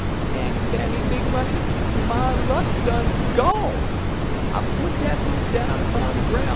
"'Mammy Bammy Big Money, my luck done gone. I put dat foot down 'pon de groun'.